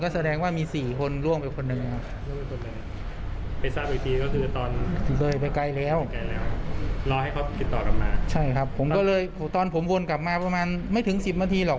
ใช่ครับผมก็เลยตอนผมวนกลับมาประมาณไม่ถึง๑๐นาทีหรอก